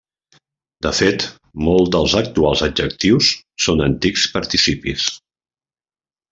De fet molts dels actuals adjectius són antics participis.